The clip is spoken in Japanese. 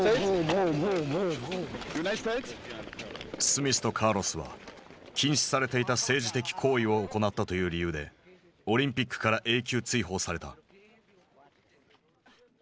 スミスとカーロスは禁止されていた政治的行為を行ったという理由でオリンピックから永久追放された。